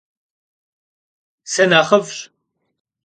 Sınexhıf'ş.